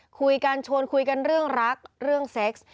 คุยกันชวนคุยกันเรื่องรักเรื่องเซ็กซ์